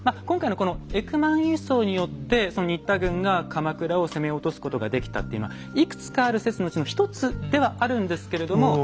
今回のこのエクマン輸送によって新田軍が鎌倉を攻め落とすことができたっていうのはいくつかある説のうちの一つではあるんですけれども。